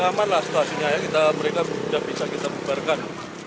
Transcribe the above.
amat lah situasinya mereka bisa kita bubarkan